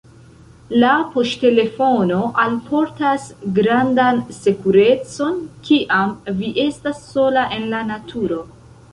La poŝtelefono alportas grandan sekurecon, kiam vi estas sola en la naturo.